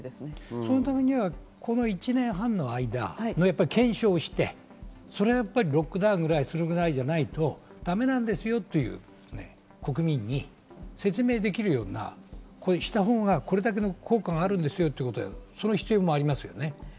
そのためには、この１年半の間、検証してそれはやっぱりロックダウンぐらいするぐらいじゃないとだめなんですよっていう、国民に説明できるような、こうしたほうが、これだけの効果があるんですよという、その必要もありますね。